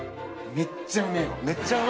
めっちゃうまいわ。